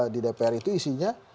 di dpr itu isinya